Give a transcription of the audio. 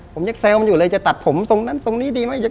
ผมยังแซวมันอยู่เลยจะตัดผมทรงนั้นทรงนี้ดีไหม